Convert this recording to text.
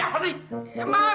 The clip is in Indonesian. enggak nyata ya